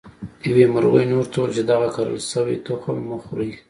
یوه مرغۍ نورو ته وویل چې دغه کرل شوي تخم مه خورئ.